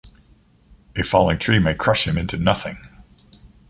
A falling tree may crush him into nothing.